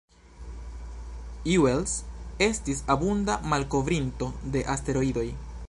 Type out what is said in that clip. Juels estis abunda malkovrinto de asteroidoj.